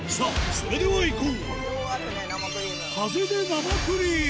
それではいこう！